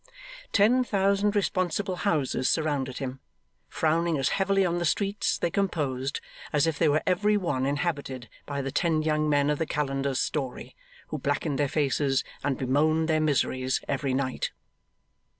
Ten thousand responsible houses surrounded him, frowning as heavily on the streets they composed, as if they were every one inhabited by the ten young men of the Calender's story, who blackened their faces and bemoaned their miseries every night.